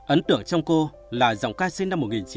ấn tượng trong cô là dòng ca sĩ